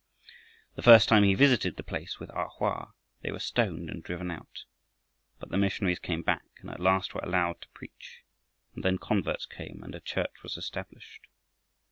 The first time he visited the place with A Hoa they were stoned and driven out. But the missionaries came back, and at last were allowed to preach. And then converts came and a church was established.